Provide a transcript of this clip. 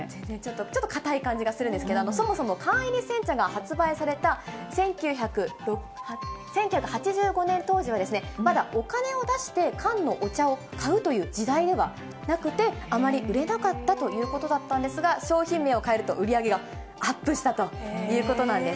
ちょっとかたい感じがするんですけど、そもそも缶入り煎茶が発売された１９８５年当時は、まだお金を出して缶のお茶を買うという時代ではなくて、あまり売れなかったということだったんですが、商品名を変えると売り上げがアップしたということなんです。